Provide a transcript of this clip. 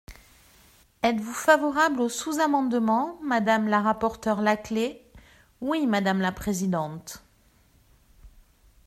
Êtes-vous favorable au sous-amendement, madame la rapporteure Laclais ? Oui, madame la présidente.